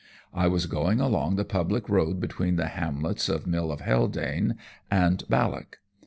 I was going along the public road between the hamlets of Mill of Haldane and Ballock.